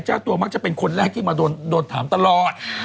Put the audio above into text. เจ้าตัวมักจะเป็นคนแรกที่มาโดนถามตลอด